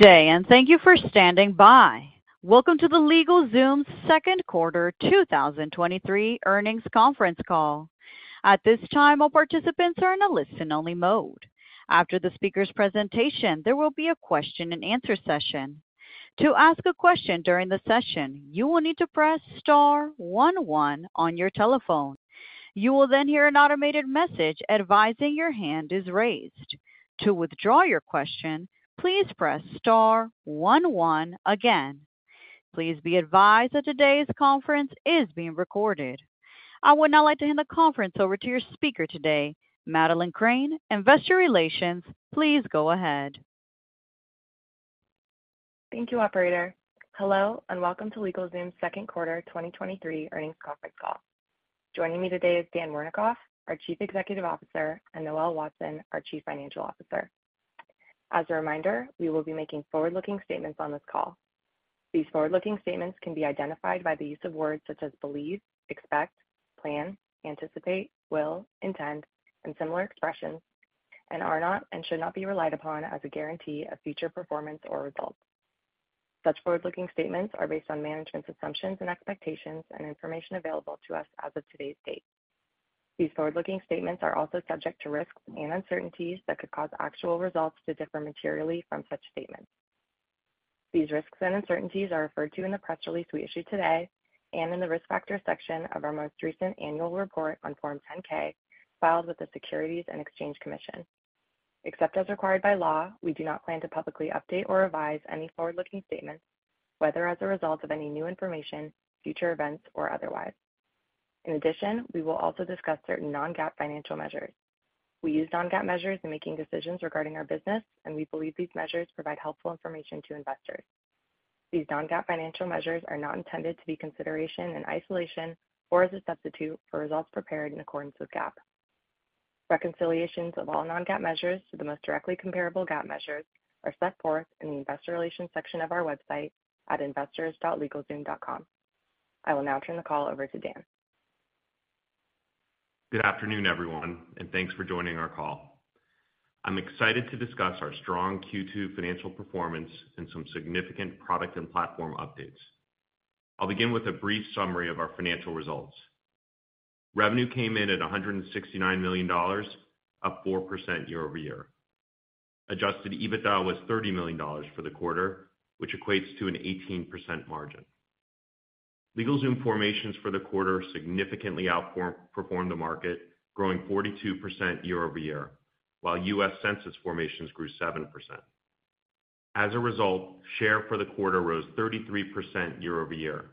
Good day, and thank you for standing by. Welcome to the LegalZoom's second quarter 2023 earnings conference call. At this time, all participants are in a listen-only mode. After the speaker's presentation, there will be a question and answer session. To ask a question during the session, you will need to press star one one on your telephone. You will then hear an automated message advising your hand is raised. To withdraw your question, please press star 11 again. Please be advised that today's conference is being recorded. I would now like to hand the conference over to your speaker today, Madeleine Crane, Investor Relations. Please go ahead. Thank you, operator. Hello, and welcome to LegalZoom's 2nd quarter 2023 earnings conference call. Joining me today is Dan Wernikoff, our Chief Executive Officer, and Noel Watson, our Chief Financial Officer. As a reminder, we will be making forward-looking statements on this call. These forward-looking statements can be identified by the use of words such as believe, expect, plan, anticipate, will, intend, and similar expressions, and are not and should not be relied upon as a guarantee of future performance or results. Such forward-looking statements are based on management's assumptions and expectations and information available to us as of today's date. These forward-looking statements are also subject to risks and uncertainties that could cause actual results to differ materially from such statements. These risks and uncertainties are referred to in the press release we issued today and in the Risk Factors section of our most recent annual report on Form 10-K, filed with the Securities and Exchange Commission. Except as required by law, we do not plan to publicly update or revise any forward-looking statements, whether as a result of any new information, future events, or otherwise. In addition, we will also discuss certain non-GAAP financial measures. We use non-GAAP measures in making decisions regarding our business, and we believe these measures provide helpful information to investors. These non-GAAP financial measures are not intended to be consideration in isolation or as a substitute for results prepared in accordance with GAAP. Reconciliations of all non-GAAP measures to the most directly comparable GAAP measures are set forth in the Investor Relations section of our website at investors.legalzoom.com. I will now turn the call over to Dan. Good afternoon, everyone, and thanks for joining our call. I'm excited to discuss our strong Q2 financial performance and some significant product and platform updates. I'll begin with a brief summary of our financial results. Revenue came in at $169 million, up 4% year-over-year. Adjusted EBITDA was $30 million for the quarter, which equates to an 18% margin. LegalZoom formations for the quarter significantly outperformed the market, growing 42% year-over-year, while U.S. Census formations grew 7%. As a result, share for the quarter rose 33% year-over-year.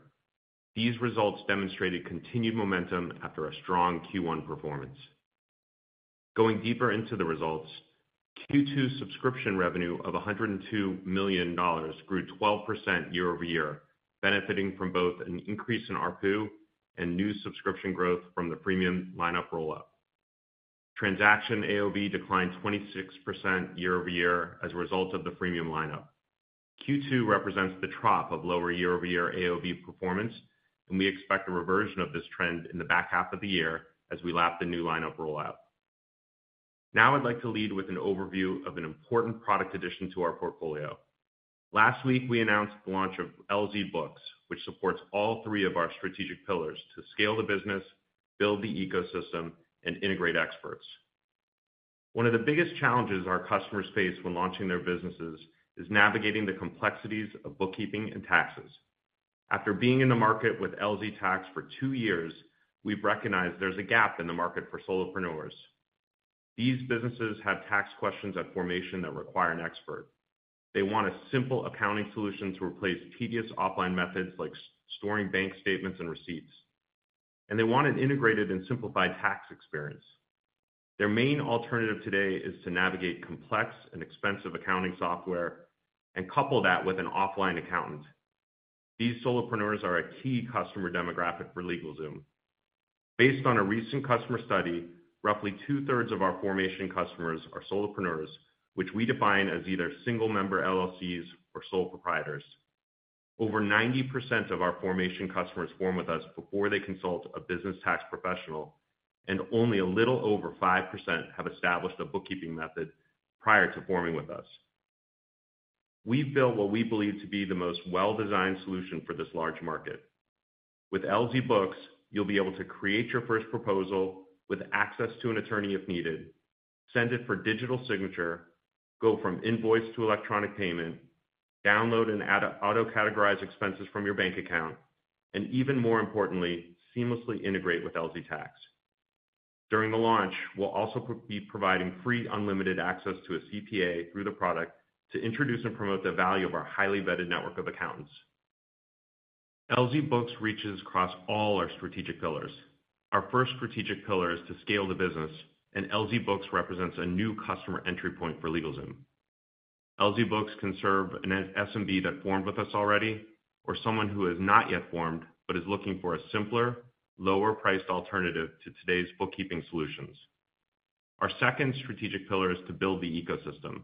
These results demonstrated continued momentum after a strong Q1 performance. Going deeper into the results, Q2 subscription revenue of $102 million grew 12% year-over-year, benefiting from both an increase in ARPU and new subscription growth from the freemium lineup rollout. Transaction AOV declined 26% year-over-year as a result of the freemium lineup. Q2 represents the trough of lower year-over-year AOV performance, and we expect a reversion of this trend in the back half of the year as we lap the new lineup rollout. Now, I'd like to lead with an overview of an important product addition to our portfolio. Last week, we announced the launch of LZ Books, which supports all three of our strategic pillars to scale the business, build the ecosystem, and integrate experts. One of the biggest challenges our customers face when launching their businesses is navigating the complexities of bookkeeping and taxes. After being in the market with LZ Tax for two years, we've recognized there's a gap in the market for solopreneurs. These businesses have tax questions at formation that require an expert. They want a simple accounting solution to replace tedious offline methods like storing bank statements and receipts, and they want an integrated and simplified tax experience. Their main alternative today is to navigate complex and expensive accounting software and couple that with an offline accountant. These solopreneurs are a key customer demographic for LegalZoom. Based on a recent customer study, roughly 2/3 of our formation customers are solopreneurs, which we define as either single-member LLCs or sole proprietors. Over 90% of our formation customers form with us before they consult a business tax professional, and only a little over 5% have established a bookkeeping method prior to forming with us. We've built what we believe to be the most well-designed solution for this large market. With LZ Books, you'll be able to create your first proposal with access to an attorney if needed, send it for digital signature, go from invoice to electronic payment, download and auto-categorize expenses from your bank account, and even more importantly, seamlessly integrate with LZ Tax. During the launch, we'll also be providing free, unlimited access to a CPA through the product to introduce and promote the value of our highly vetted network of accountants. LZ Books reaches across all our strategic pillars. Our first strategic pillar is to scale the business. LZ Books represents a new customer entry point for LegalZoom. LZ Books can serve an SMB that formed with us already, or someone who has not yet formed but is looking for a simpler, lower-priced alternative to today's bookkeeping solutions. Our second strategic pillar is to build the ecosystem.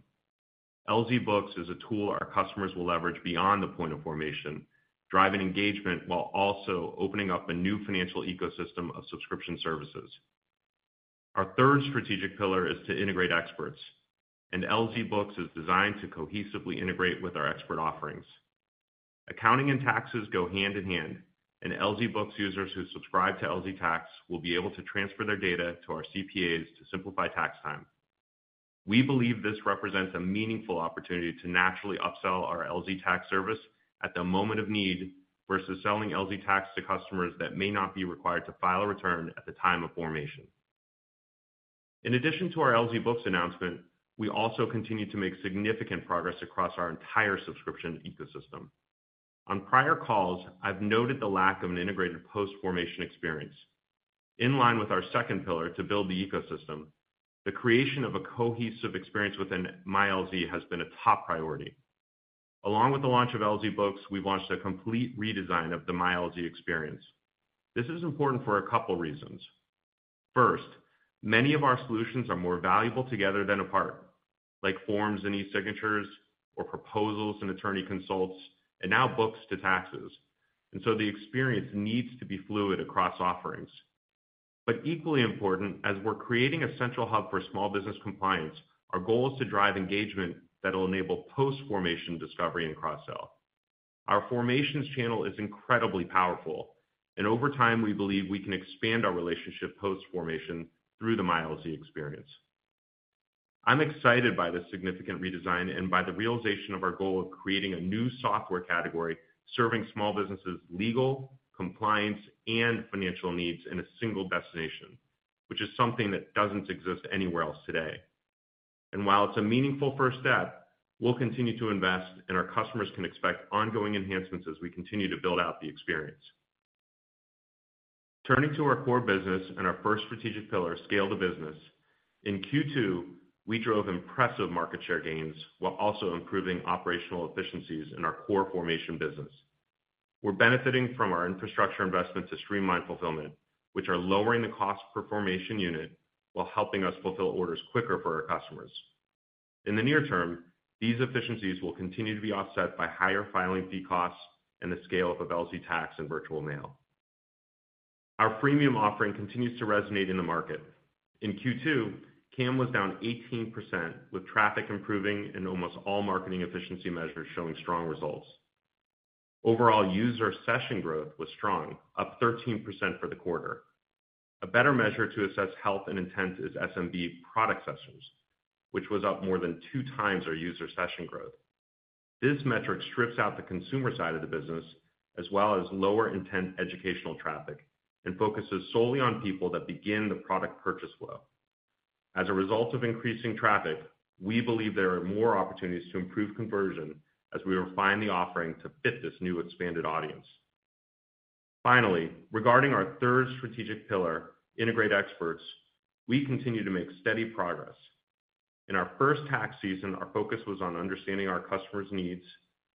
LZ Books is a tool our customers will leverage beyond the point of formation, driving engagement while also opening up a new financial ecosystem of subscription services. Our third strategic pillar is to integrate experts, and LZ Books is designed to cohesively integrate with our expert offerings. Accounting and taxes go hand in hand, and LZ Books users who subscribe to LZ Tax will be able to transfer their data to our CPAs to simplify tax time. We believe this represents a meaningful opportunity to naturally upsell our LZ Tax service at the moment of need, versus selling LZ Tax to customers that may not be required to file a return at the time of formation. In addition to our LZ Books announcement, we also continue to make significant progress across our entire subscription ecosystem. On prior calls, I've noted the lack of an integrated post-formation experience. In line with our second pillar to build the ecosystem, the creation of a cohesive experience within MyLZ has been a top priority. Along with the launch of LZ Books, we've launched a complete redesign of the MyLZ experience. This is important for a couple reasons. First, many of our solutions are more valuable together than apart, like forms and e-signatures, or proposals and attorney consults, and now books to taxes, and so the experience needs to be fluid across offerings. Equally important, as we're creating a central hub for small business compliance, our goal is to drive engagement that will enable post-formation discovery and cross-sell. Our formations channel is incredibly powerful, and over time, we believe we can expand our relationship post-formation through the MyLZ experience. I'm excited by this significant redesign and by the realization of our goal of creating a new software category, serving small businesses' legal, compliance, and financial needs in a single destination, which is something that doesn't exist anywhere else today. While it's a meaningful first step, we'll continue to invest, and our customers can expect ongoing enhancements as we continue to build out the experience. Turning to our core business and our first strategic pillar, scale the business. In Q2, we drove impressive market share gains while also improving operational efficiencies in our core formation business. We're benefiting from our infrastructure investments to streamline fulfillment, which are lowering the cost per formation unit while helping us fulfill orders quicker for our customers. In the near term, these efficiencies will continue to be offset by higher filing fee costs and the scale of LZ Tax and Virtual Mail. Our freemium offering continues to resonate in the market. In Q2, CAM was down 18%, with traffic improving and almost all marketing efficiency measures showing strong results. Overall user session growth was strong, up 13% for the quarter. A better measure to assess health and intent is SMB product sessions, which was up more than two times our user session growth. This metric strips out the consumer side of the business, as well as lower intent educational traffic, and focuses solely on people that begin the product purchase flow. As a result of increasing traffic, we believe there are more opportunities to improve conversion as we refine the offering to fit this new expanded audience. Finally, regarding our third strategic pillar, integrate experts, we continue to make steady progress. In our first tax season, our focus was on understanding our customers' needs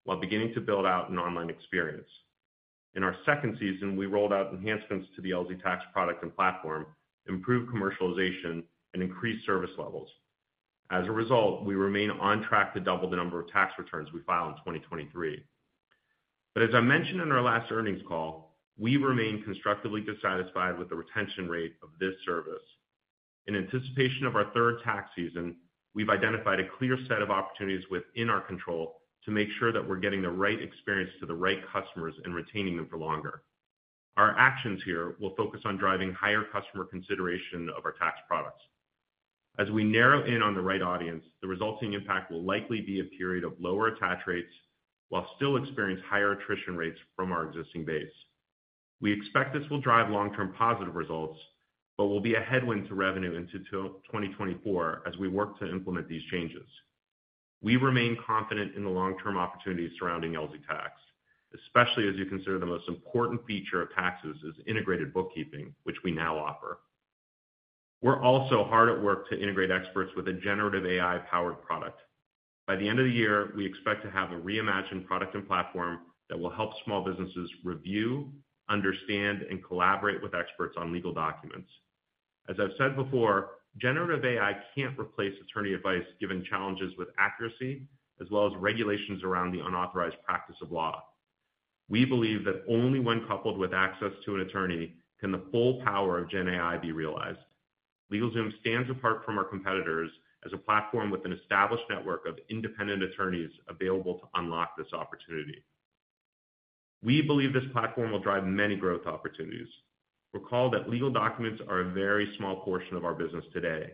while beginning to build out an online experience. In our second season, we rolled out enhancements to the LZ Tax product and platform, improved commercialization, and increased service levels. As a result, we remain on track to double the number of tax returns we file in 2023. As I mentioned in our last earnings call, we remain constructively dissatisfied with the retention rate of this service. In anticipation of our third tax season, we've identified a clear set of opportunities within our control to make sure that we're getting the right experience to the right customers and retaining them for longer. Our actions here will focus on driving higher customer consideration of our tax products. As we narrow in on the right audience, the resulting impact will likely be a period of lower attach rates while still experience higher attrition rates from our existing base. We expect this will drive long-term positive results, but will be a headwind to revenue into 2024 as we work to implement these changes. We remain confident in the long-term opportunities surrounding LZ Tax, especially as you consider the most important feature of taxes is integrated bookkeeping, which we now offer. We're also hard at work to integrate experts with a generative AI-powered product. By the end of the year, we expect to have a reimagined product and platform that will help small businesses review, understand, and collaborate with experts on legal documents. As I've said before, generative AI can't replace attorney advice given challenges with accuracy, as well as regulations around the unauthorized practice of law. We believe that only when coupled with access to an attorney can the full power of GenAI be realized. LegalZoom stands apart from our competitors as a platform with an established network of independent attorneys available to unlock this opportunity. We believe this platform will drive many growth opportunities. Recall that legal documents are a very small portion of our business today.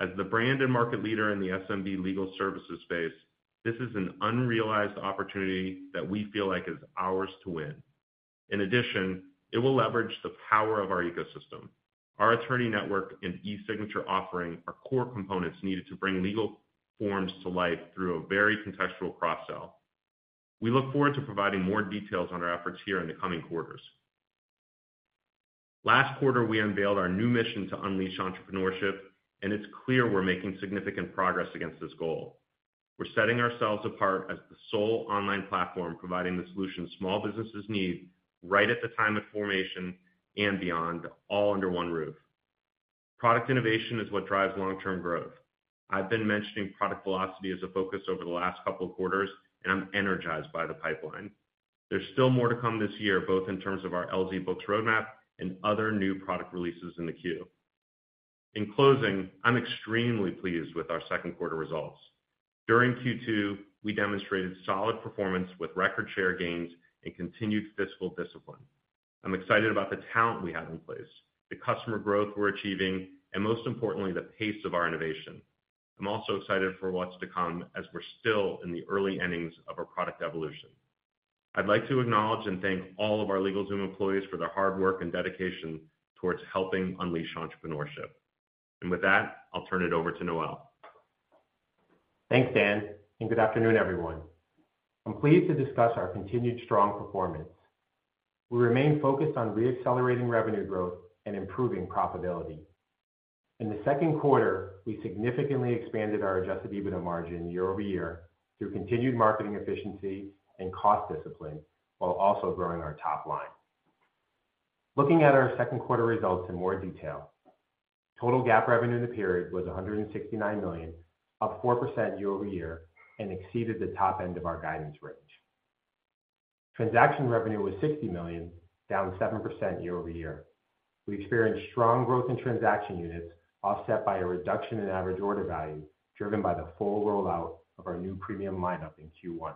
As the brand and market leader in the SMB legal services space, this is an unrealized opportunity that we feel like is ours to win. In addition, it will leverage the power of our ecosystem. Our attorney network and e-signature offering are core components needed to bring legal forms to life through a very contextual cross-sell. We look forward to providing more details on our efforts here in the coming quarters. Last quarter, we unveiled our new mission to unleash entrepreneurship. It's clear we're making significant progress against this goal. We're setting ourselves apart as the sole online platform, providing the solution small businesses need right at the time of formation and beyond, all under one roof. Product innovation is what drives long-term growth. I've been mentioning product velocity as a focus over the last couple of quarters, and I'm energized by the pipeline. There's still more to come this year, both in terms of our LZ Books roadmap and other new product releases in the queue. In closing, I'm extremely pleased with our second quarter results. During Q2, we demonstrated solid performance with record share gains and continued fiscal discipline. I'm excited about the talent we have in place, the customer growth we're achieving, and most importantly, the pace of our innovation. I'm also excited for what's to come as we're still in the early innings of our product evolution. I'd like to acknowledge and thank all of our LegalZoom employees for their hard work and dedication towards helping unleash entrepreneurship. With that, I'll turn it over to Noel. Thanks, Dan, and good afternoon, everyone. I'm pleased to discuss our continued strong performance. We remain focused on reaccelerating revenue growth and improving profitability. In the second quarter, we significantly expanded our Adjusted EBITDA margin year-over-year through continued marketing efficiency and cost discipline, while also growing our top line. Looking at our second quarter results in more detail, total GAAP revenue in the period was $169 million, up 4% year-over-year, and exceeded the top end of our guidance range. Transaction revenue was $60 million, down 7% year-over-year. We experienced strong growth in transaction units, offset by a reduction in average order value, driven by the full rollout of our new premium lineup in Q1.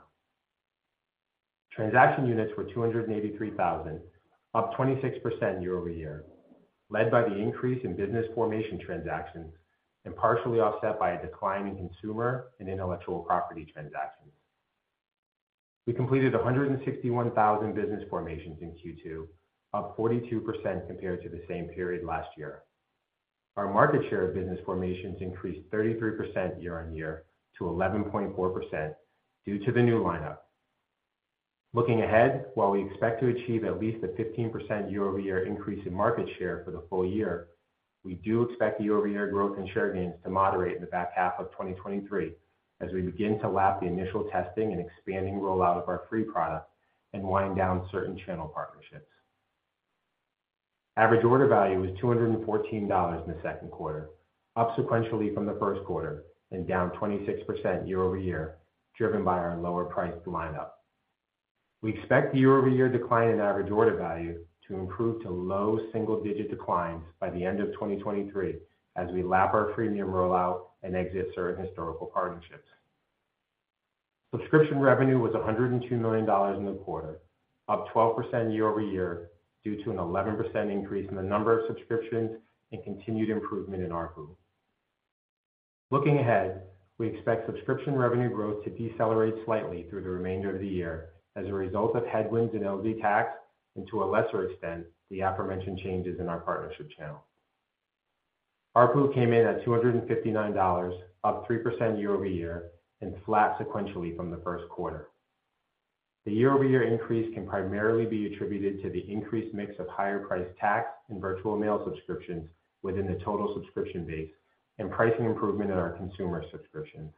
Transaction units were 283,000, up 26% year-over-year, led by the increase in business formation transactions and partially offset by a decline in consumer and intellectual property transactions. We completed 161,000 business formations in Q2, up 42% compared to the same period last year. Our market share of business formations increased 33% year-on-year to 11.4% due to the new lineup. Looking ahead, while we expect to achieve at least a 15% year-over-year increase in market share for the full year, we do expect year-over-year growth in share gains to moderate in the back half of 2023 as we begin to lap the initial testing and expanding rollout of our free product and wind down certain channel partnerships. Average order value was $214 in the second quarter, up sequentially from the first quarter and down 26% year-over-year, driven by our lower-priced lineup. We expect the year-over-year decline in average order value to improve to low single-digit declines by the end of 2023 as we lap our freemium rollout and exit certain historical partnerships. Subscription revenue was $102 million in the quarter, up 12% year-over-year, due to an 11% increase in the number of subscriptions and continued improvement in ARPU. Looking ahead, we expect subscription revenue growth to decelerate slightly through the remainder of the year as a result of headwinds in LZ Tax, and to a lesser extent, the aforementioned changes in our partnership channel. ARPU came in at $259, up 3% year-over-year and flat sequentially from the first quarter. The year-over-year increase can primarily be attributed to the increased mix of higher price tax and Virtual Mail subscriptions within the total subscription base and pricing improvement in our consumer subscription.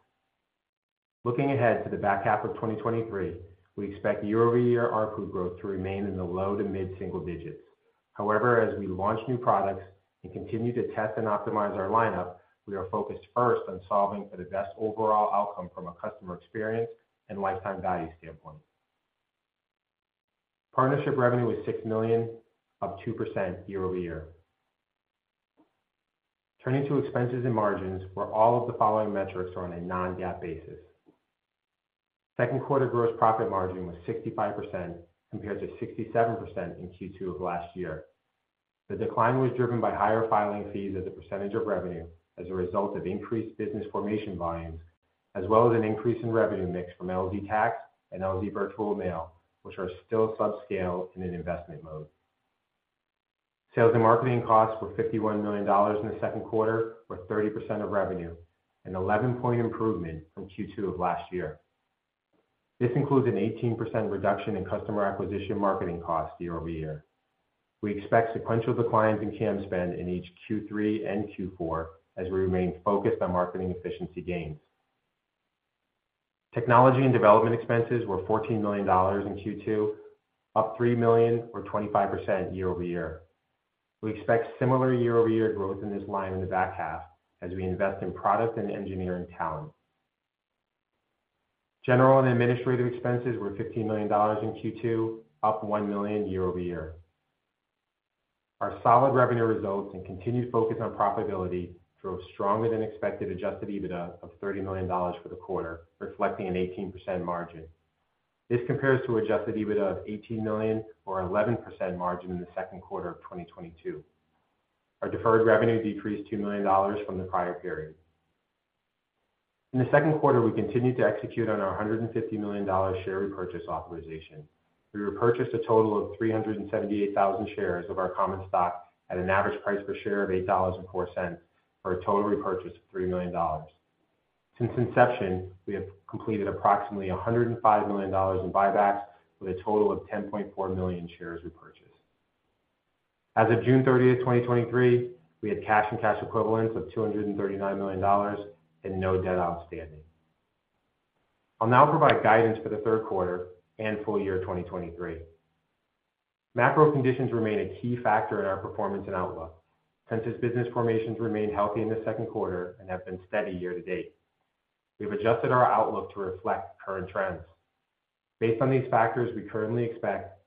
Looking ahead to the back half of 2023, we expect year-over-year ARPU growth to remain in the low to mid single digits. However, as we launch new products and continue to test and optimize our lineup, we are focused first on solving for the best overall outcome from a customer experience and lifetime value standpoint. Partnership revenue was $6 million, up 2% year-over-year. Turning to expenses and margins, where all of the following metrics are on a non-GAAP basis. Second quarter gross profit margin was 65%, compared to 67% in Q2 of last year. The decline was driven by higher filing fees as a percentage of revenue as a result of increased business formation volumes, as well as an increase in revenue mix from LZ Tax and LZ Virtual Mail, which are still subscale in an investment mode. Sales and marketing costs were $51 million in the second quarter, or 30% of revenue, an 11-point improvement from Q2 of last year. This includes an 18% reduction in customer acquisition marketing costs year-over-year. We expect sequential declines in CAM spend in each Q3 and Q4 as we remain focused on marketing efficiency gains. Technology and development expenses were $14 million in Q2, up $3 million or 25% year-over-year. We expect similar year-over-year growth in this line in the back half as we invest in product and engineering talent. General and administrative expenses were $15 million in Q2, up $1 million year-over-year. Our solid revenue results and continued focus on profitability drove stronger-than-expected Adjusted EBITDA of $30 million for the quarter, reflecting an 18% margin. This compares to Adjusted EBITDA of $18 million or 11% margin in the second quarter of 2022. Our deferred revenue decreased $2 million from the prior period. In the second quarter, we continued to execute on our $150 million share repurchase authorization. We repurchased a total of 378,000 shares of our common stock at an average price per share of $8.04, for a total repurchase of $3 million. Since inception, we have completed approximately $105 million in buybacks, with a total of 10.4 million shares repurchased. As of June 30th, 2023, we had cash and cash equivalents of $239 million and no debt outstanding. I'll now provide guidance for the third quarter and full year 2023. Macro conditions remain a key factor in our performance and outlook. Census business formations remained healthy in the second quarter and have been steady year-to-date. We've adjusted our outlook to reflect current trends. Based on these factors, we currently expect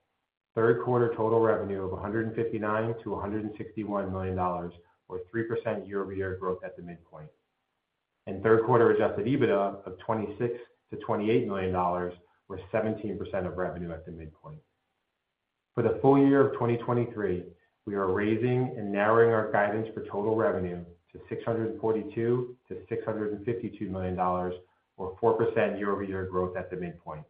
third quarter total revenue of $159 million-$161 million, or 3% year-over-year growth at the midpoint. Third quarter Adjusted EBITDA of $26 million-$28 million, or 17% of revenue at the midpoint. For the full year of 2023, we are raising and narrowing our guidance for total revenue to $642 million-$652 million, or 4% year-over-year growth at the midpoint.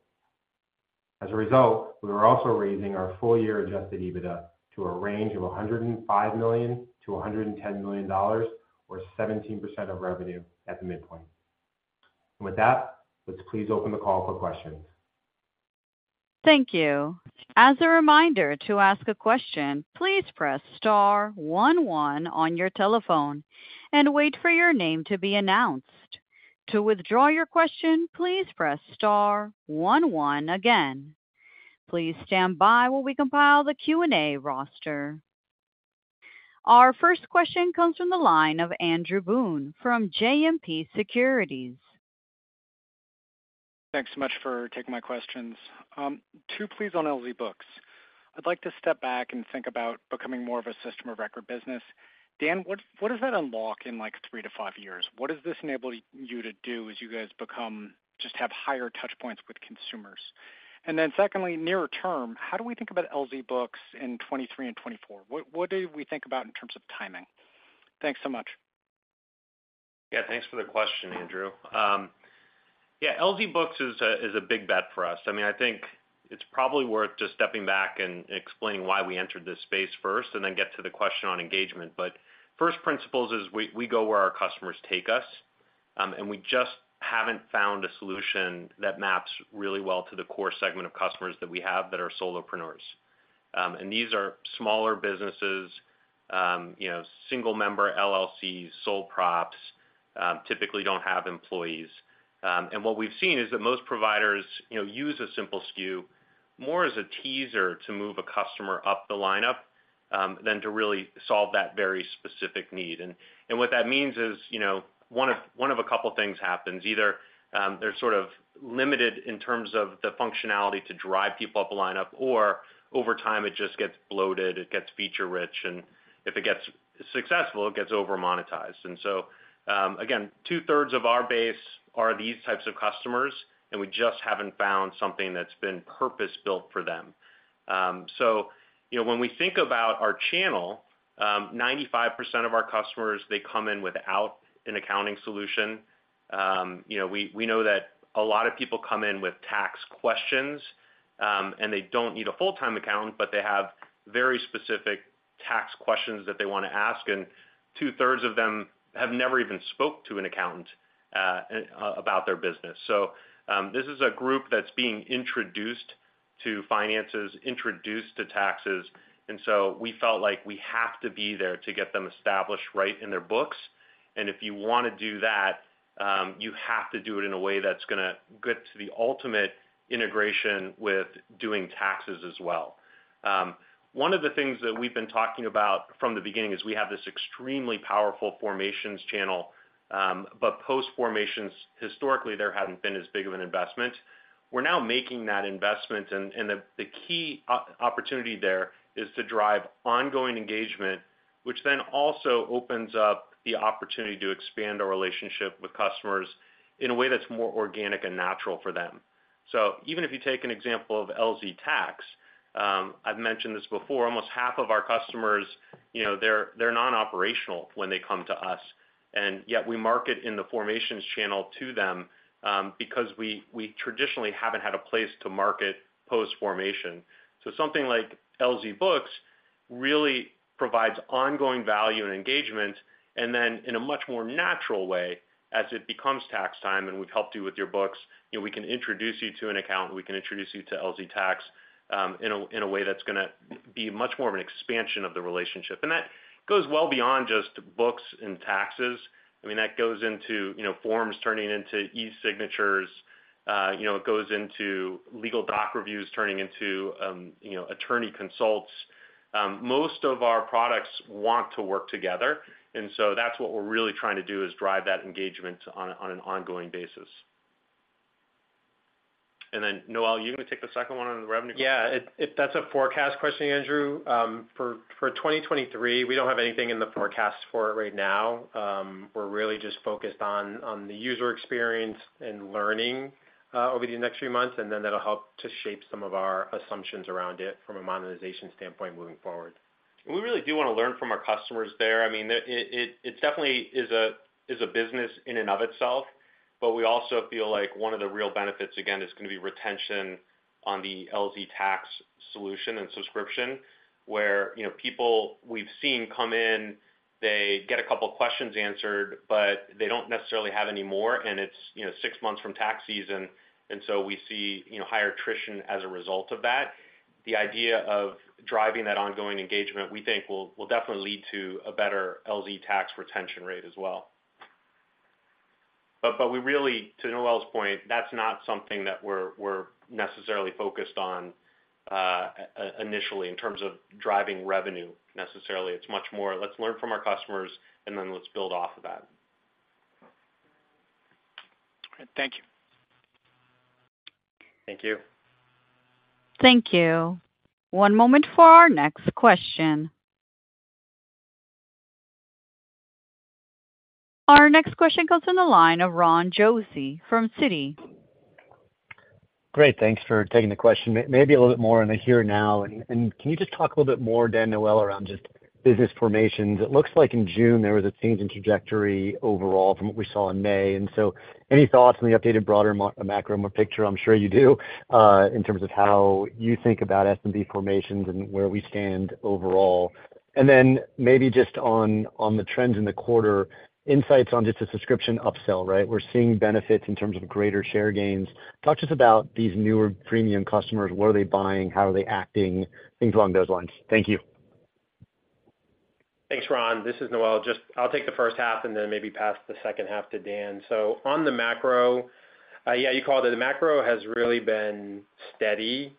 As a result, we are also raising our full year Adjusted EBITDA to a range of $105 million-$110 million, or 17% of revenue at the midpoint. With that, let's please open the call for questions. Thank you. As a reminder, to ask a question, please press star one, one on your telephone and wait for your name to be announced. To withdraw your question, please press star one, one again. Please stand by while we compile the Q&A roster. Our first question comes from the line of Andrew Boone, from JMP Securities. Thanks so much for taking my questions. Two, please, on LZ Books. I'd like to step back and think about becoming more of a system of record business. Dan, what, what does that unlock in, like, three to five years? What does this enable you to do as you guys just have higher touchpoints with consumers? Secondly, nearer term, how do we think about LZ Books in 2023 and 2024? What, what do we think about in terms of timing? Thanks so much. Yeah, thanks for the question, Andrew. Yeah, LZ Books is a, is a big bet for us. I mean, I think it's probably worth just stepping back and explaining why we entered this space first, and then get to the question on engagement. First principles is we, we go where our customers take us, and we just haven't found a solution that maps really well to the core segment of customers that we have that are solopreneurs. These are smaller businesses, you know, single member LLCs, sole props, typically don't have employees. What we've seen is that most providers, you know, use a simple SKU more as a teaser to move a customer up the lineup, than to really solve that very specific need. What that means is, you know, one of, one of a couple things happens. Either, they're sort of limited in terms of the functionality to drive people up a lineup, or over time, it just gets bloated, it gets feature-rich, and if it gets successful, it gets over-monetized. So, again, two-thirds of our base are these types of customers, and we just haven't found something that's been purpose-built for them. So, you know, when we think about our channel, 95% of our customers, they come in without an accounting solution. You know, we, we know that a lot of people come in with tax questions, and they don't need a full-time account, but they have very specific tax questions that they want to ask, and two-thirds of them have never even spoke to an accountant about their business. This is a group that's being introduced to finances, introduced to taxes, and so we felt like we have to be there to get them established right in their books. If you want to do that, you have to do it in a way that's gonna get to the ultimate integration with doing taxes as well. One of the things that we've been talking about from the beginning is we have this extremely powerful formations channel, but post formations, historically, there hadn't been as big of an investment. We're now making that investment, and the key opportunity there is to drive ongoing engagement, which then also opens up the opportunity to expand our relationship with customers in a way that's more organic and natural for them. Even if you take an example of LZ Tax, I've mentioned this before, almost half of our customers, you know, they're, they're non-operational when they come to us, and yet we market in the formations channel to them, because we, we traditionally haven't had a place to market post formation. Something like LZ Books really provides ongoing value and engagement, and then in a much more natural way, as it becomes tax time and we've helped you with your books, you know, we can introduce you to an account, we can introduce you to LZ Tax, in a, in a way that's gonna be much more of an expansion of the relationship. That goes well beyond just books and taxes. I mean, that goes into, you know, forms turning into e-signatures. You know, it goes into legal doc reviews, turning into, you know, attorney consults. Most of our products want to work together, that's what we're really trying to do, is drive that engagement on, on an ongoing basis. Then, Noel, are you gonna take the second one on the revenue? Yeah, if, if that's a forecast question, Andrew, for, for 2023, we don't have anything in the forecast for it right now. We're really just focused on, on the user experience and learning, over the next few months, and then that'll help to shape some of our assumptions around it from a monetization standpoint moving forward. We really do want to learn from our customers there. I mean, it definitely is a business in and of itself, but we also feel like one of the real benefits, again, is gonna be retention on the LZ Tax solution and subscription, where, you know, people we've seen come in, they get a couple questions answered, but they don't necessarily have any more, and it's, you know, six months from tax season, and so we see, you know, higher attrition as a result of that. The idea of driving that ongoing engagement, we think will definitely lead to a better LZ Tax retention rate as well. We really, to Noel's point, that's not something that we're necessarily focused on, initially in terms of driving revenue necessarily. It's much more, let's learn from our customers, and then let's build off of that. Thank you. Thank you. Thank you. One moment for our next question. Our next question comes from the line of Ron Josey from Citi. Great, thanks for taking the question. Maybe a little bit more on the here now, and can you just talk a little bit more, Dan, Noel, around just business formations? It looks like in June, there was a change in trajectory overall from what we saw in May. So any thoughts on the updated broader macro picture? I'm sure you do, in terms of how you think about SMB formations and where we stand overall. Then maybe just on the trends in the quarter, insights on just the subscription upsell, right? We're seeing benefits in terms of greater share gains. Talk to us about these newer premium customers. What are they buying? How are they acting? Things along those lines. Thank you. Thanks, Ron. This is Noel. I'll take the first half and then maybe pass the second half to Dan. On the macro, yeah, you called it. The macro has really been steady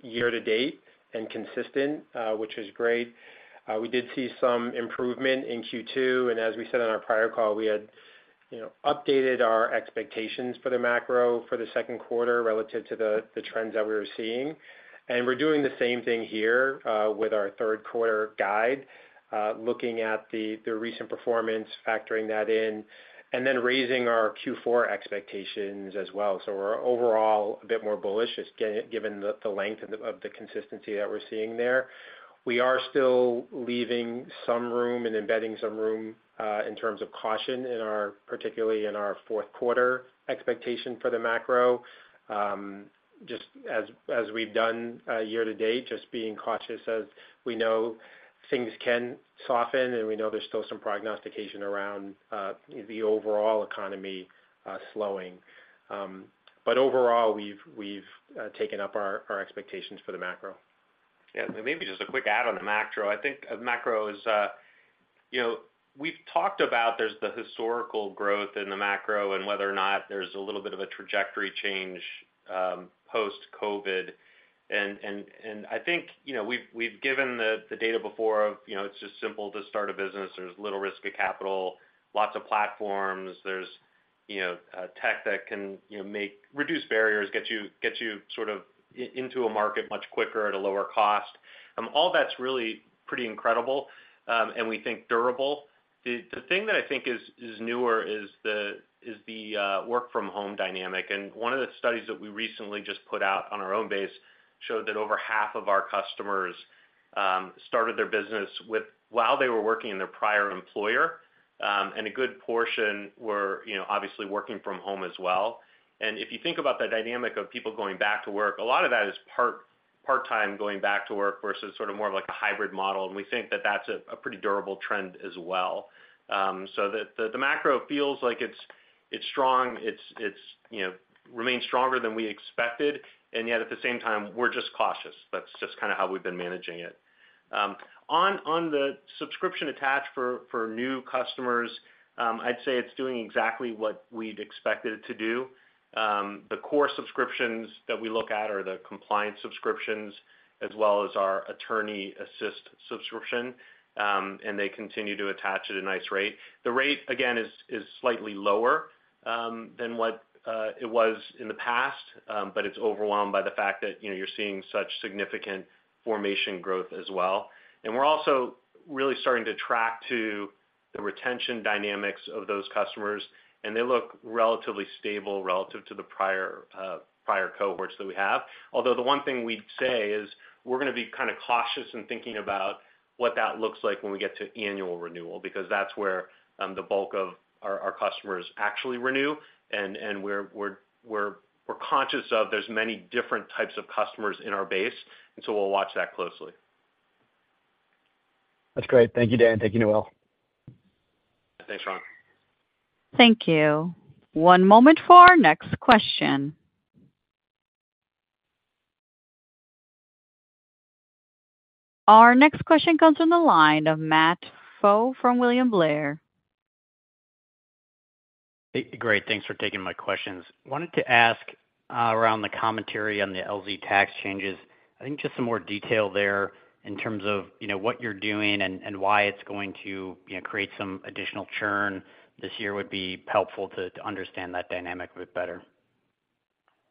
year to date and consistent, which is great. We did see some improvement in Q2, and as we said on our prior call, we had, you know, updated our expectations for the macro for the second quarter relative to the, the trends that we were seeing. We're doing the same thing here with our third quarter guide, looking at the, the recent performance, factoring that in, and then raising our Q4 expectations as well. We're overall a bit more bullish, just given the, the length of the, of the consistency that we're seeing there. We are still leaving some room and embedding some room in terms of caution in our, particularly in our fourth quarter expectation for the macro. Just as, as we've done year to date, just being cautious as we know things can soften, and we know there's still some prognostication around the overall economy slowing. Overall, we've, we've taken up our, our expectations for the macro. Yeah, maybe just a quick add on the macro. I think macro is, you know, we've talked about there's the historical growth in the macro and whether or not there's a little bit of a trajectory change, post-COVID. I think, you know, we've given the data before of, you know, it's just simple to start a business. There's little risk of capital, lots of platforms. There's, you know, tech that can, you know, reduce barriers, get you into a market much quicker at a lower cost. All that's really pretty incredible, and we think durable. The thing that I think is newer is the work from home dynamic. One of the studies that we recently just put out on our own base showed that over half of our customers, started their business while they were working in their prior employer, and a good portion were, you know, obviously working from home as well. If you think about the dynamic of people going back to work, a lot of that is part-time going back to work versus sort of more of like a hybrid model. We think that that's a, a pretty durable trend as well. The, the, the macro feels like it's, it's strong, it's, it's, you know, remains stronger than we expected, and yet at the same time, we're just cautious. That's just kind of how we've been managing it. On, on the subscription attach for, for new customers, I'd say it's doing exactly what we'd expected it to do. The core subscriptions that we look at are the compliance subscriptions, as well as our attorney assist subscription, and they continue to attach at a nice rate. The rate, again, is, is slightly lower than what it was in the past, but it's overwhelmed by the fact that, you know, you're seeing such significant formation growth as well. We're also really starting to track to the retention dynamics of those customers, and they look relatively stable relative to the prior, prior cohorts that we have. The one thing we'd say is, we're gonna be kind of cautious in thinking about what that looks like when we get to annual renewal, because that's where, the bulk of our, our customers actually renew, and we're conscious of there's many different types of customers in our base, and so we'll watch that closely. That's great. Thank you, Dan. Thank you, Noel. Thanks, Ron. Thank you. One moment for our next question. Our next question comes from the line of Matt Pfau from William Blair. Great, thanks for taking my questions. Wanted to ask around the commentary on the LZ Tax changes. I think just some more detail there in terms of, you know, what you're doing and, and why it's going to, you know, create some additional churn this year would be helpful to understand that dynamic a bit better.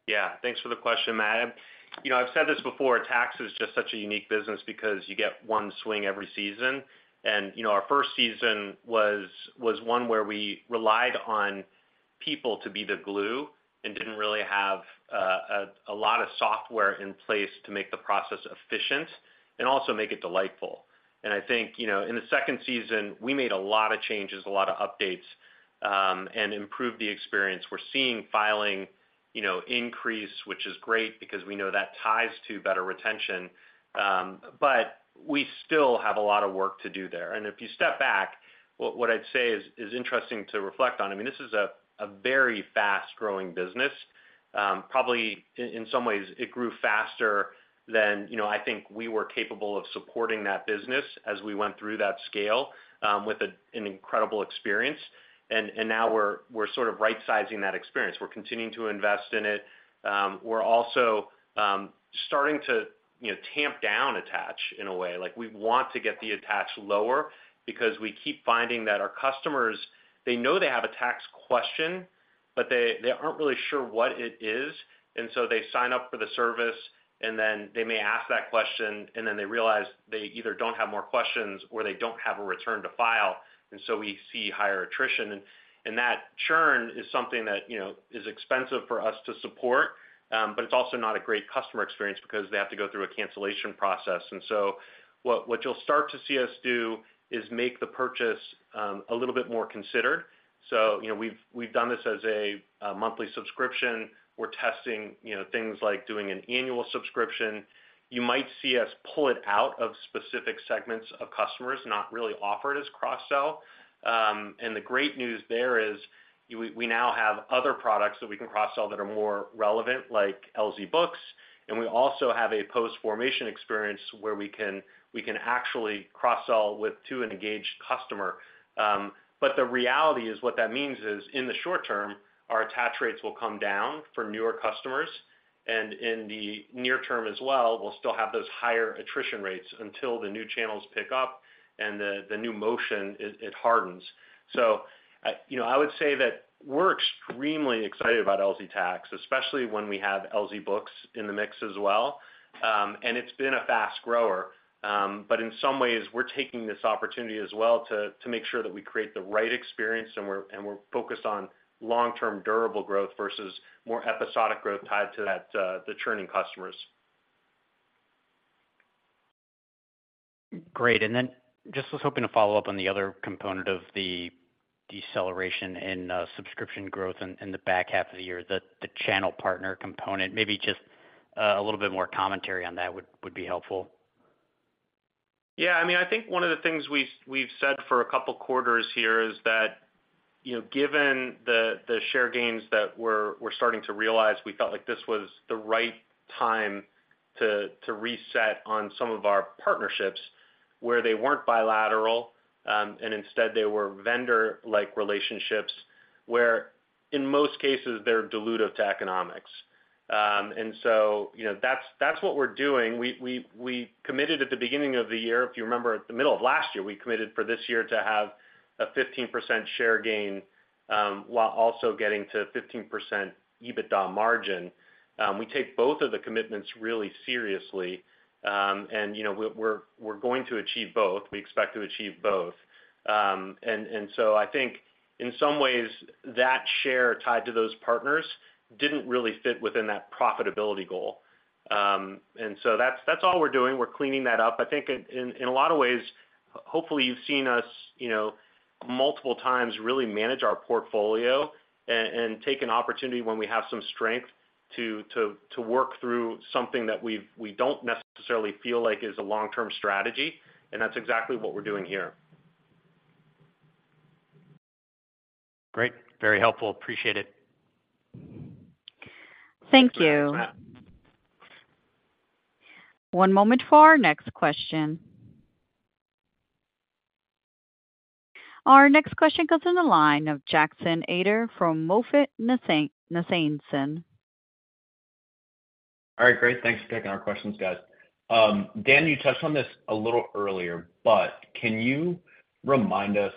Yeah. Thanks for the question, Matt. You know, I've said this before, tax is just such a unique business because you get one swing every season. You know, our first season was, was one where we relied on people to be the glue and didn't really have a lot of software in place to make the process efficient and also make it delightful. I think, you know, in the second season, we made a lot of changes, a lot of updates, and improve the experience. We're seeing filing, you know, increase, which is great because we know that ties to better retention, but we still have a lot of work to do there. If you step back, what, what I'd say is, is interesting to reflect on, I mean, this is a, a very fast-growing business. Probably, in, in some ways, it grew faster than, you know, I think we were capable of supporting that business as we went through that scale, with a, an incredible experience. Now we're, we're sort of right-sizing that experience. We're continuing to invest in it. We're also, starting to, you know, tamp down attach in a way, like, we want to get the attach lower because we keep finding that our customers, they know they have a tax question, but they, they aren't really sure what it is, and so they sign up for the service, and then they may ask that question, and then they realize they either don't have more questions or they don't have a return to file. So we see higher attrition. That churn is something that, you know, is expensive for us to support, but it's also not a great customer experience because they have to go through a cancellation process. What, what you'll start to see us do is make the purchase, a little bit more considered. You know, we've, we've done this as a, a monthly subscription. We're testing, you know, things like doing an annual subscription. You might see us pull it out of specific segments of customers, not really offer it as cross-sell. The great news there is, we, we now have other products that we can cross-sell that are more relevant, like LZ Books, and we also have a post-formation experience where we can, we can actually cross-sell with to an engaged customer. The reality is, what that means is, in the short term, our attach rates will come down for newer customers, and in the near term as well, we'll still have those higher attrition rates until the new channels pick up and the, the new motion, it, it hardens. You know, I would say that we're extremely excited about LZ Tax, especially when we have LZ Books in the mix as well. It's been a fast grower, but in some ways, we're taking this opportunity as well to, to make sure that we create the right experience, and we're, and we're focused on long-term durable growth versus more episodic growth tied to that, the churning customers. Great. Just was hoping to follow up on the other component of the deceleration in subscription growth in, in the back half of the year, the, the channel partner component. Maybe just a little bit more commentary on that would, would be helpful. Yeah, I mean, I think one of the things we've said for a couple quarters here is that, you know, given the share gains that we're starting to realize, we felt like this was the right time to reset on some of our partnerships where they weren't bilateral, and instead they were vendor-like relationships, where in most cases, they're dilutive to economics. So, you know, that's, that's what we're doing. We committed at the beginning of the year. If you remember, at the middle of last year, we committed for this year to have a 15% share gain, while also getting to 15% EBITDA margin. We take both of the commitments really seriously, and, you know, we're going to achieve both. We expect to achieve both. I think in some ways, that share tied to those partners didn't really fit within that profitability goal. That's, that's all we're doing. We're cleaning that up. I think in, in a lot of ways, hopefully, you've seen us, you know, multiple times, really manage our portfolio and take an opportunity when we have some strength to, to, to work through something that we don't necessarily feel like is a long-term strategy, and that's exactly what we're doing here. Great. Very helpful. Appreciate it. Thank you. One moment for our next question. Our next question comes in the line of Jackson Ader from MoffettNathanson. All right, great. Thanks for taking our questions, guys. Dan, you touched on this a little earlier, but can you remind us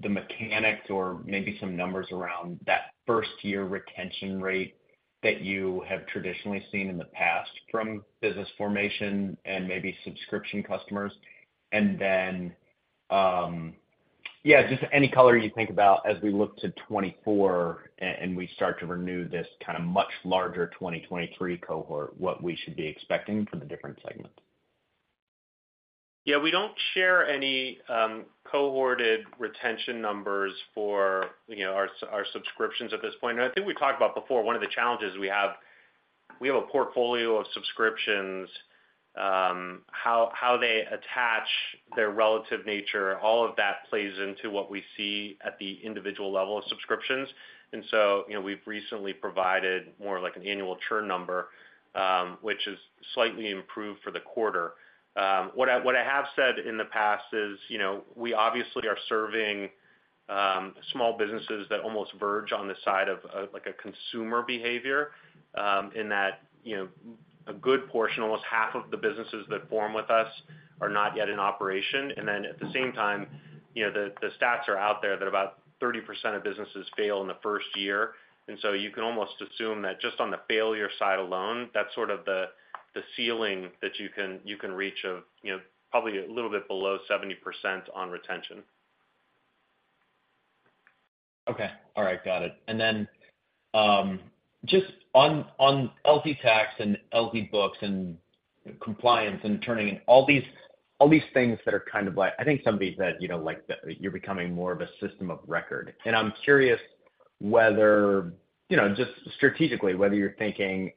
the mechanics or maybe some numbers around that first-year retention rate that you have traditionally seen in the past from business formation and maybe subscription customers? Yeah, just any color you think about as we look to 2024 and we start to renew this kind of much larger 2023 cohort, what we should be expecting from the different segments? Yeah, we don't share any cohorted retention numbers for, you know, our s- our subscriptions at this point. I think we talked about before, one of the challenges we have, we have a portfolio of subscriptions, how, how they attach their relative nature, all of that plays into what we see at the individual level of subscriptions. You know, we've recently provided more of like an annual churn number, which is slightly improved for the quarter. What I, what I have said in the past is, you know, we obviously are serving small businesses that almost verge on the side of, of like a consumer behavior, in that, you know, a good portion, almost half of the businesses that form with us are not yet in operation. Then, at the same time, you know, the stats are out there, that about 30% of businesses fail in the first year. So you can almost assume that just on the failure side alone, that's sort of the ceiling that you can, you can reach of, you know, probably a little bit below 70% on retention. Okay. All right. Got it. Just on, on LZ Tax and LZ Books and compliance and turning in all these, all these things that are kind of like, I think somebody said, you know, like you're becoming more of a system of record. I'm curious whether, you know, just strategically, whether you're thinking,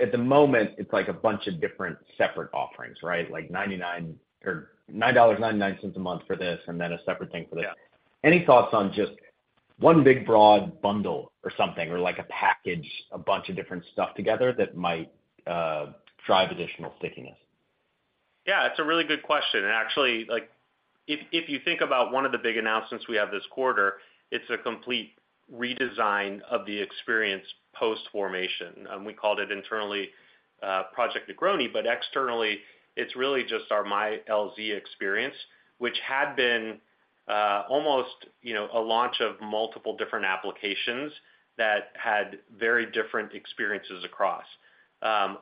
at the moment, it's like a bunch of different separate offerings, right? Like $9.99 a month for this, and then a separate thing for this. Yeah. Any thoughts on just one big, broad bundle or something, or like a package, a bunch of different stuff together that might drive additional stickiness? Yeah, it's a really good question. Actually, like, if, if you think about one of the big announcements we have this quarter, it's a complete redesign of the experience post formation. We called it internally, Project Negroni, but externally, it's really just our My LZ experience, which had been almost, you know, a launch of multiple different applications that had very different experiences across.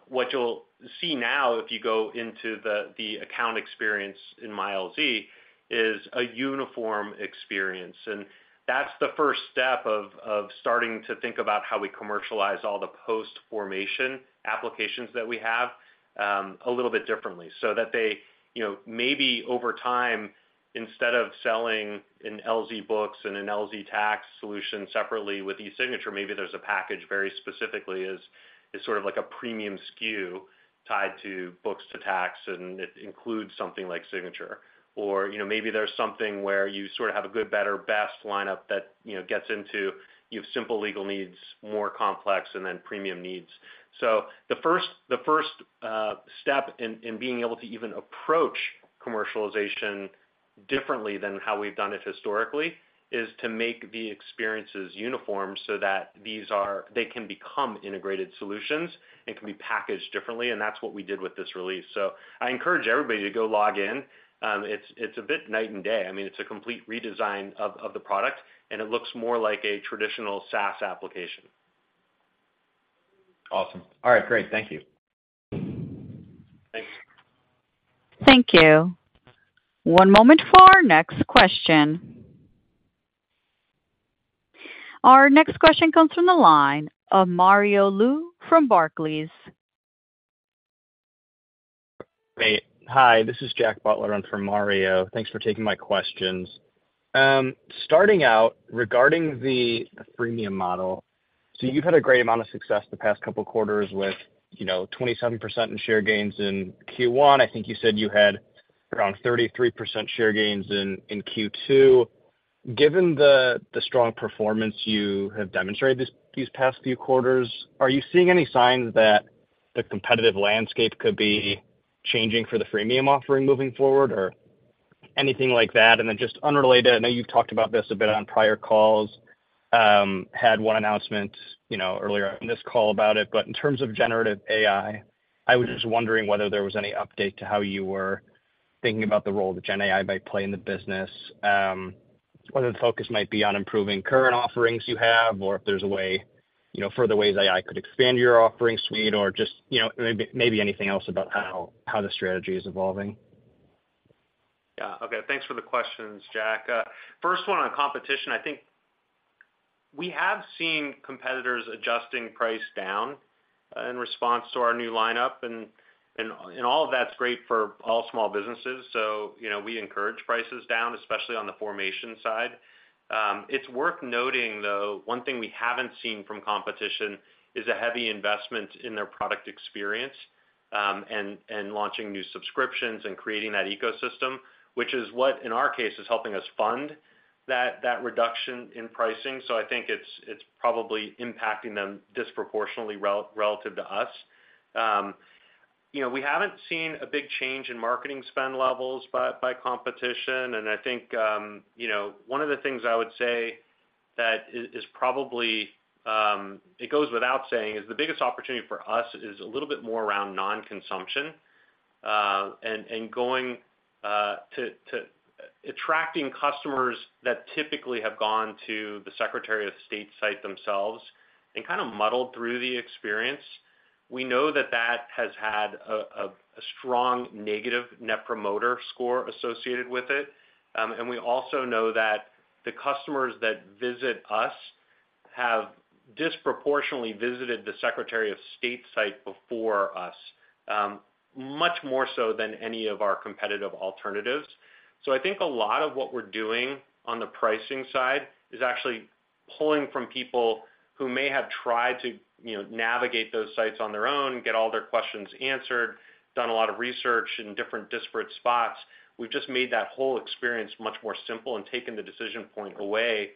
What you'll see now, if you go into the, the account experience in My LZ, is a uniform experience, and that's the first step of, of starting to think about how we commercialize all the post-formation applications that we have, a little bit differently. So that they, you know, maybe over time, instead of selling an LZ Books and an LZ Tax solution separately with e-signature, maybe there's a package very specifically is, is sort of like a premium SKU tied to books, to tax, and it includes something like signature. You know, maybe there's something where you sort of have a good, better, best lineup that, you know, gets into your simple legal needs, more complex, and then premium needs. The first, the first step in, in being able to even approach commercialization differently than how we've done it historically, is to make the experiences uniform so that these they can become integrated solutions and can be packaged differently, and that's what we did with this release. I encourage everybody to go log in. It's, it's a bit night and day. I mean, it's a complete redesign of, of the product, and it looks more like a traditional SaaS application. Awesome. All right, great. Thank you. Thanks. Thank you. One moment for our next question. Our next question comes from the line of Mario Lu from Barclays. Great. Hi, this is Jack Butler for Mario. Thanks for taking my questions. Starting out, regarding the freemium model, you've had a great amount of success the past couple of quarters with, you know, 27% in share gains in Q1. I think you said you had around 33% share gains in Q2. Given the strong performance you have demonstrated these past few quarters, are you seeing any signs that the competitive landscape could be changing for the freemium offering moving forward or anything like that? Then just unrelated, I know you've talked about this a bit on prior calls, had one announcement, you know, earlier on this call about it, but in terms of generative AI, I was just wondering whether there was any update to how you were thinking about the role that Gen AI might play in the business, whether the focus might be on improving current offerings you have, or if there's a way, you know, further ways AI could expand your offering suite, or just, you know, maybe, maybe anything else about how, how the strategy is evolving? Yeah. Okay, thanks for the questions, Jack. First one, on competition, I think we have seen competitors adjusting price down, in response to our new lineup, and, and, and all of that's great for all small businesses. You know, we encourage prices down, especially on the formation side. It's worth noting, though, one thing we haven't seen from competition is a heavy investment in their product experience, and, and launching new subscriptions and creating that ecosystem, which is what, in our case, is helping us fund that, that reduction in pricing. I think it's, it's probably impacting them disproportionately relative to us. You know, we haven't seen a big change in marketing spend levels by, by competition. I think, you know, one of the things I would say that is, is probably, it goes without saying, is the biggest opportunity for us is a little bit more around non-consumption, and going to attracting customers that typically have gone to the Secretary of State site themselves and kind of muddled through the experience. We know that that has had a strong negative Net Promoter Score associated with it. We also know that the customers that visit us have disproportionately visited the Secretary of State site before us, much more so than any of our competitive alternatives. I think a lot of what we're doing on the pricing side is actually pulling from people who may have tried to, you know, navigate those sites on their own, get all their questions answered, done a lot of research in different disparate spots. We've just made that whole experience much more simple and taken the decision point away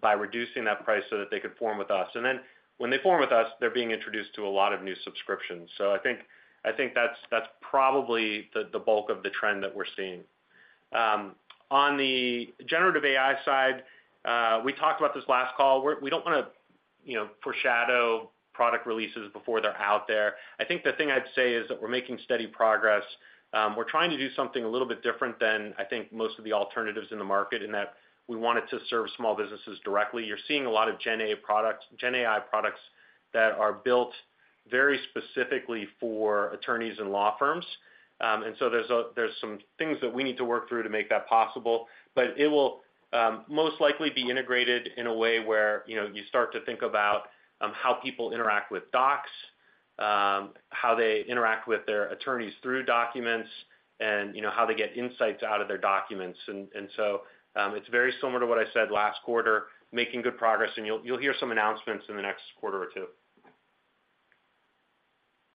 by reducing that price so that they could form with us. Then when they form with us, they're being introduced to a lot of new subscriptions. I think, I think that's, that's probably the, the bulk of the trend that we're seeing. On the generative AI side, we talked about this last call. We don't wanna, you know, foreshadow product releases before they're out there. I think the thing I'd say is that we're making steady progress. We're trying to do something a little bit different than, I think, most of the alternatives in the market, in that we want it to serve small businesses directly. You're seeing a lot of Gen AI products that are built very specifically for attorneys and law firms. There's some things that we need to work through to make that possible, but it will most likely be integrated in a way where, you know, you start to think about how people interact with docs, how they interact with their attorneys through documents, and, you know, how they get insights out of their documents. It's very similar to what I said last quarter, making good progress, and you'll hear some announcements in the next quarter or two.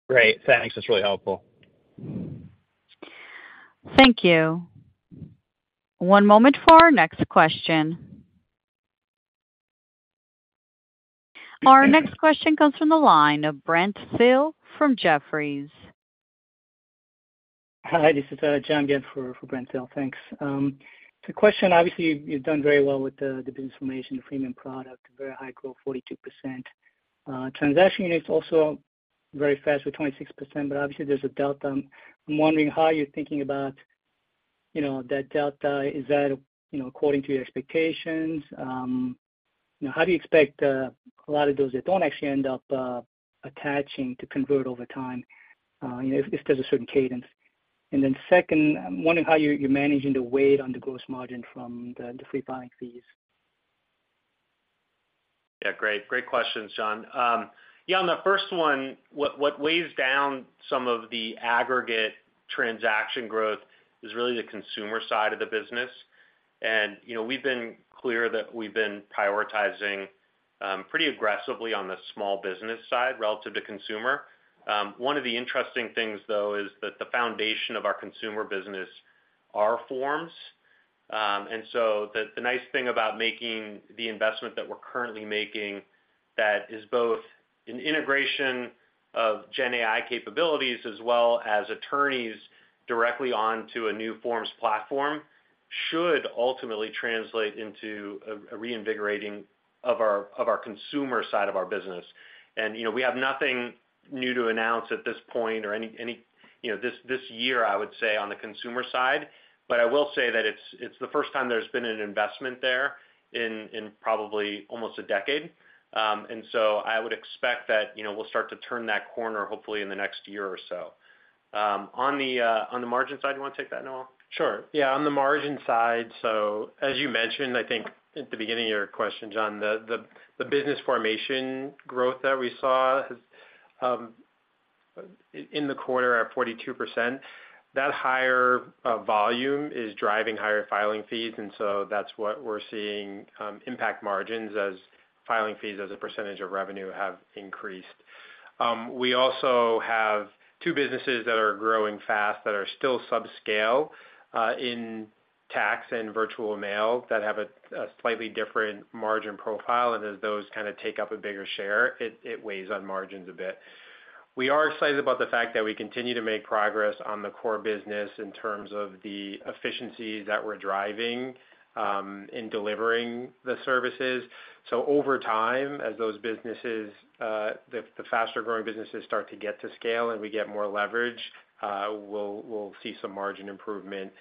Great, thanks. That's really helpful. Thank you. One moment for our next question. Our next question comes from the line of Brent Thill from Jefferies. Hi, this is John, again, for, for Brent Thill. Thanks. The question: obviously, you've done very well with the, the business formation, the freemium product, very high growth, 42%. Transaction units also very fast with 26%, but obviously there's a delta. I'm wondering how you're thinking about, you know, that delta. Is that, you know, according to your expectations? How do you expect a lot of those that don't actually end up attaching to convert over time, you know, if there's a certain cadence? Second, I'm wondering how you're, you're managing the weight on the gross margin from the, the free filing fees. Yeah, great. Great question, John. Yeah, on the first one, what, what weighs down some of the aggregate transaction growth is really the consumer side of the business. And, you know, we've been clear that we've been prioritizing pretty aggressively on the small business side relative to consumer. One of the interesting things, though, is that the foundation of our consumer business are forms. And so the, the nice thing about making the investment that we're currently making, that is both an integration of Gen AI capabilities as well as attorneys directly onto a new forms platform, should ultimately translate into a, a reinvigorating of our, of our consumer side of our business. You know, we have nothing new to announce at this point or any, any, you know, this, this year, I would say, on the consumer side, but I will say that it's, it's the first time there's been an investment there in, in probably almost a decade. I would expect that, you know, we'll start to turn that corner hopefully in the next year or so. On the, on the margin side, you want to take that, Noel? Sure. Yeah, on the margin side, so as you mentioned, I think at the beginning of your question, John, the, the, the business formation growth that we saw in the quarter at 42%, that higher volume is driving higher filing fees, and so that's what we're seeing impact margins as filing fees as a percentage of revenue have increased. We also have two businesses that are growing fast, that are still subscale in tax and Virtual Mail, that have a, a slightly different margin profile, and as those kind of take up a bigger share, it, it weighs on margins a bit. We are excited about the fact that we continue to make progress on the core business in terms of the efficiencies that we're driving in delivering the services. Over time, as those businesses, the, the faster-growing businesses start to get to scale and we get more leverage, we'll, we'll see some margin improvement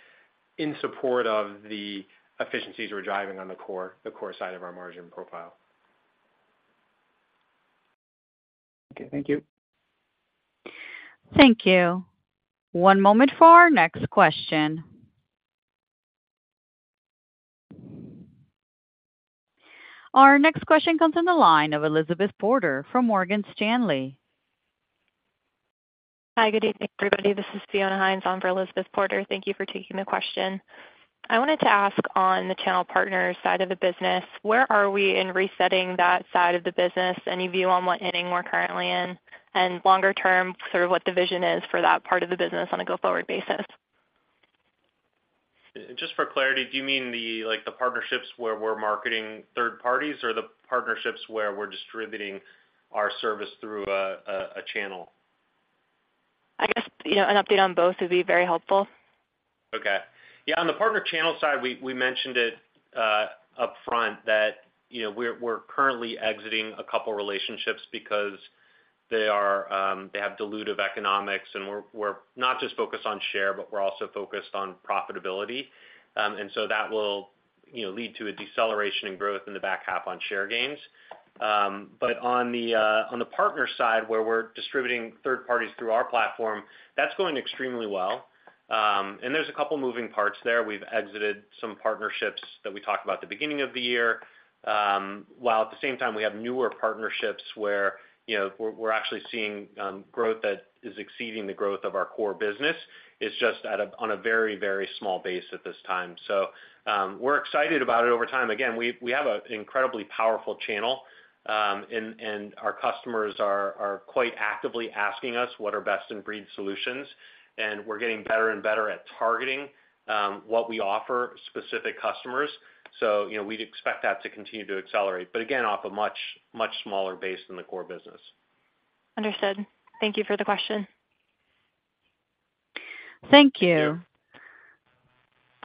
in support of the efficiencies we're driving on the core, the core side of our margin profile. Okay, thank you. Thank you. One moment for our next question. Our next question comes in the line of Elizabeth Porter from Morgan Stanley. Hi, good evening, everybody. This is Fiona Hynes on for Elizabeth Porter. Thank you for taking the question. I wanted to ask on the channel partner side of the business, where are we in resetting that side of the business? Any view on what inning we're currently in, and longer term, sort of what the vision is for that part of the business on a go-forward basis? Just for clarity, do you mean the, like, the partnerships where we're marketing third parties, or the partnerships where we're distributing our service through a channel? I guess, you know, an update on both would be very helpful. Okay. Yeah, on the partner channel side, we, we mentioned it upfront that, you know, we're, we're currently exiting a couple relationships because they are, they have dilutive economics, and we're, we're not just focused on share, but we're also focused on profitability. That will, you know, lead to a deceleration in growth in the back half on share gains. On the partner side, where we're distributing third parties through our platform, that's going extremely well. There's a couple moving parts there. We've exited some partnerships that we talked about at the beginning of the year, while at the same time we have newer partnerships where, you know, we're, we're actually seeing growth that is exceeding the growth of our core business. It's just at a, on a very, very small base at this time. We're excited about it over time. Again, we, we have an incredibly powerful channel, and our customers are quite actively asking us what are best in breed solutions, and we're getting better and better at targeting what we offer specific customers. You know, we'd expect that to continue to accelerate, but again, off a much, much smaller base than the core business. Understood. Thank you for the question. Thank you.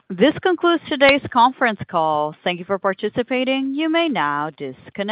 This concludes today's conference call. Thank you for participating. You may now disconnect.